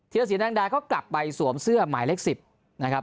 ทีละสีนางดาก็กลับไปสวมเสื้อหมายเลข๑๐